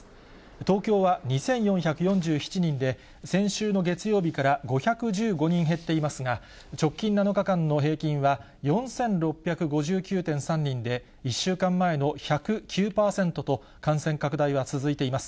東京は２４４７人で、先週の月曜日から５１５人減っていますが、直近７日間の平均は、４６５９．３人で、１週間前の１０９％と、感染拡大は続いています。